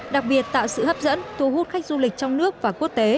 đặc biệt tạo sự hấp dẫn thu hút khách du lịch trong nước và quốc tế